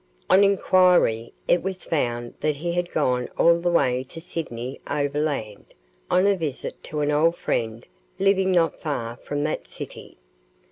On enquiry it was found that he had gone all the way to Sydney overland, on a visit to an old friend living not far from that city.